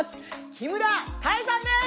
木村多江さんです！